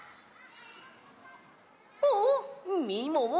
あっみもも。